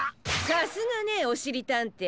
さすがねおしりたんてい。